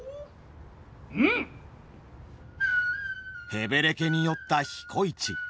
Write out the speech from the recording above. へべれけに酔った彦市。